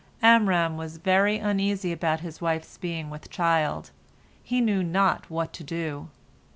Amram was very uneasy about his wife's being with child; he knew not what to do.